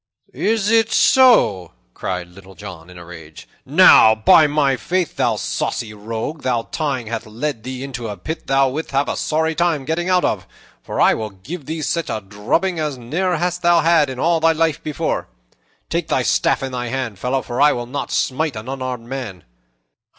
'" "Is it so?" cried Little John in a rage. "Now, by my faith, thou saucy rogue, thy tongue hath led thee into a pit thou wilt have a sorry time getting out of; for I will give thee such a drubbing as ne'er hast thou had in all thy life before. Take thy staff in thy hand, fellow, for I will not smite an unarmed man.